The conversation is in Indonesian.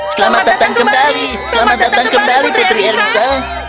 selamat datang kembali selamat datang kembali putri elita